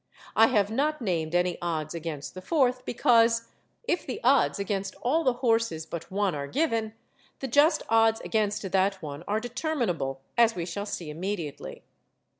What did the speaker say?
I have not named any odds against the fourth, because, if the odds against all the horses but one are given, the just odds against that one are determinable, as we shall see immediately.